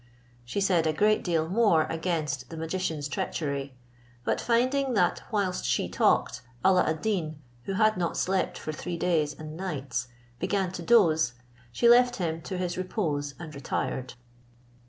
She said a great deal more against the magician's treachery; but finding that whilst she talked, Alla ad Deen, who had not slept for three days and nights, began to doze, she left him to his repose and retired.